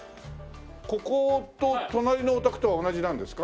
ここと隣のお宅とは同じなんですか？